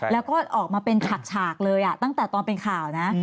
แล้วก็ออกมาเป็นฉากเลยตั้งแต่ตอนเป็นข่าวนะ